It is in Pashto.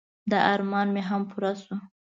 د ارمان مې هم پوره شو.